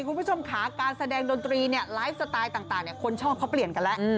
คุณผู้ชมขาการแสดงดนตรีเนี่ยไลฟ์สไตล์ต่างคนชอบเขาเปลี่ยนกันแล้ว